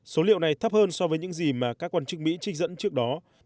số liệu này thấp hơn so với những gì mà các quan chức mỹ trích dẫn trước đó